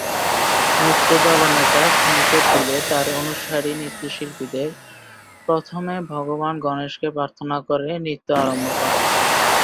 নৃত্যে দলনেতা সংকেত দিলে তার অনুসারী নৃত্যশিল্পীরা প্রথমে ভগবান গণেশকে প্রার্থনা করে নৃত্য আরম্ভ করে।